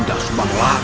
dan menjaga kekuatan